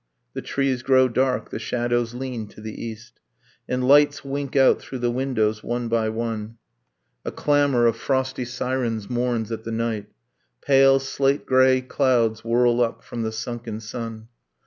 The trees grow dark: the shadows lean to the east: And lights wink out through the windows, one by one. A clamor of frosty sirens mourns at the night. Pale slate grey clouds whirl up from the sunken sun.